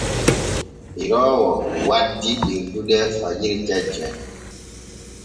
Ɓiroowo waddi ɓirdude fagiri kecce.